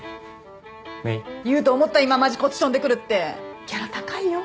芽衣言うと思った今マジこっち飛んでくるってギャラ高いよ？